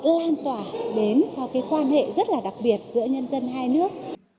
lan tỏa đến cho cái quan hệ rất là đặc biệt giữa nhân dân hai nước